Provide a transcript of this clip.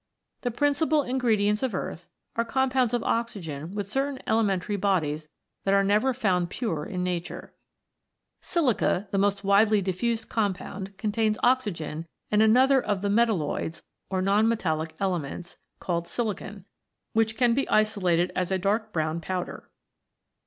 The principal ingredients of Earth, are compounds of oxygen with certain elementary bodies that are never found pure in nature. Silica, the most widely diffused compound, con tains oxygen, and another of the metalloids, or non metallic elements, called silicon, which can be THE FOUR ELEMENTS. 47 isolated as a dark brown powder.